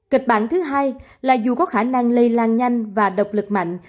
kịch bản thứ hai là dù có khả năng lây lan nhanh và độc lực mạnh